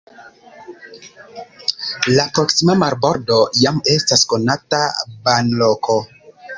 La proksima marbordo jam estas konata banloko.